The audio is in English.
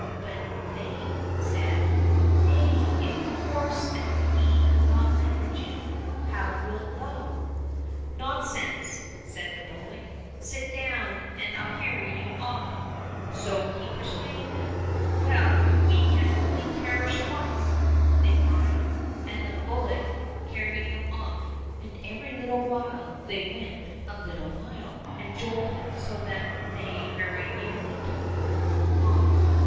— But they said, " Nay, if a horse and a bee could not manage it, how wilt thou ?"—" Nonsense !" said the bullock. " Sit down, and I'll carry you off !" So he persuaded them. —" Well, we can only perish once !" they cried ; and the bullock carried them off. And every little while they went a little mile, and jolted so that they very nearly tumbled off.